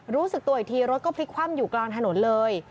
รู้สึกตัวอีกทีรถก็พลิกคว่ำอยู่กลางถนนเลย